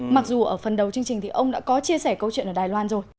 mặc dù ở phần đầu chương trình thì ông đã có chia sẻ câu chuyện ở đài loan rồi